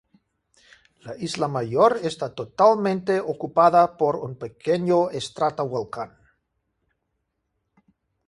La isla Mayor esta totalmente ocupada por un pequeño estratovolcán.